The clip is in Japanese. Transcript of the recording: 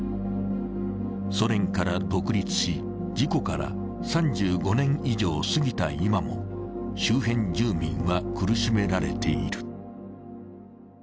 ソ連から独立し、事故から３５年以上過ぎた今も周辺住民は苦しめられている。